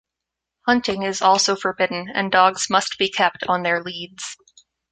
Hunting is also forbidden and dogs must be kept on their leads.